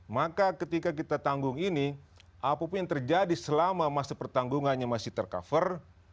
maka ketika kita tanggung ini apapun yang terjadi selama masa pertanggungannya masih tercover